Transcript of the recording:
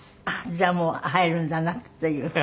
あっじゃあもう入るんだなっていう。